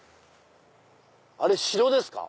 あれ城ですか？